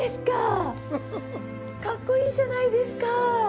かっこいいじゃないですか！